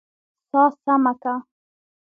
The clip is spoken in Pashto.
سا سمه که!